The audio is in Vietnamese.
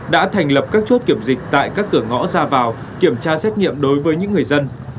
đã thành lập các chốt kiểm dịch tại các cửa ngõ ra vào kiểm tra xét nghiệm đối với những người dân